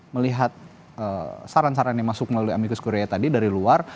melihat saran saran yang masuk melalui amicus korea tadi dari luar